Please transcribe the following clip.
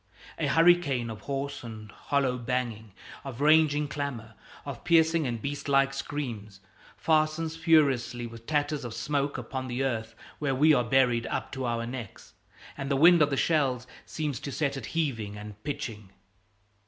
A hurricane of hoarse and hollow banging, of raging clamor, of piercing and beast like screams, fastens furiously with tatters of smoke upon the earth where we are buried up to our necks, and the wind of the shells seems to set it heaving and pitching.